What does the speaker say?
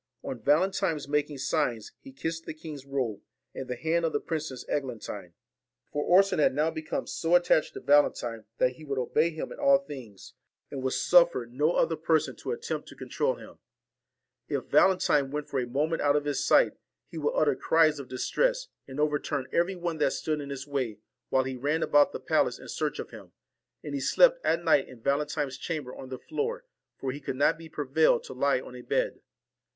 On Valentine's making signs, he kissed the king's robe, and the hand of the Princess Eglantine ; for Orson had now become so attached to Valentine that he would obey him in all things, and would 43 VALEN suffer no other person to attempt to control him. TINE AND if Valentine went for a moment out of his sight, ORSON ne WO uld utter cries of distress, and overturn every one that stood in his way, while he ran about the palace in search of him ; and he slept at night in Valentine's chamber on the floor, for he could not be prevailed to lie on a bed.